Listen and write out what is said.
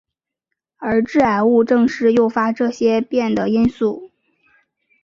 而致癌物正是诱发这些变的因素。